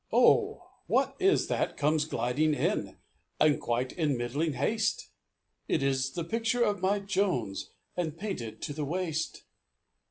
"Oh! what is that comes gliding in, And quite in middling haste? It is the picture of my Jones, And painted to the waist.